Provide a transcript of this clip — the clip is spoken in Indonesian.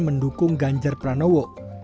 mendukung ganjar pranowo